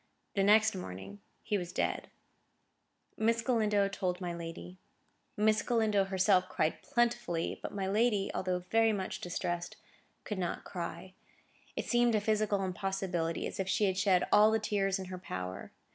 The next morning he was dead. Miss Galindo told my lady. Miss Galindo herself cried plentifully, but my lady, although very much distressed, could not cry. It seemed a physical impossibility, as if she had shed all the tears in her power.